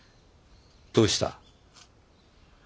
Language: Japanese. どうした？